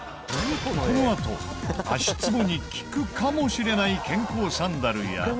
このあと足ツボに効くかもしれない健康サンダルや。